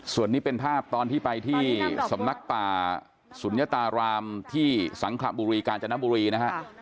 ส่วนนี้เป็นภาพตอนที่ไปที่สำนักป่าสุนยตารามที่สังขระบุรีกาญจนบุรีนะฮะ